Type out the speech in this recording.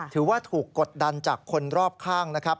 ถือว่าถูกกดดันจากคนรอบข้างนะครับ